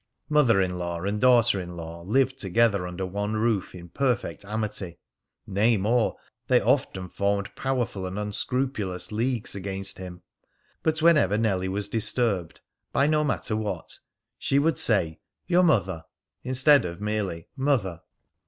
Mother in law and daughter in law lived together under one roof in perfect amity. Nay more, they often formed powerful and unscrupulous leagues against him. But whenever Nellie was disturbed, by no matter what, she would say "your mother" instead of merely "Mother."